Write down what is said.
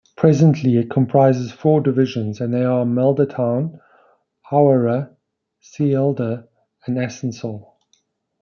Presently, it comprises four divisions and they are Malda Town, Howrah, Sealdah and Asansol.